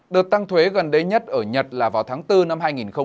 đợt tăng thuế gần đây nhất ở nhật là vào tháng bốn năm hai nghìn một mươi bốn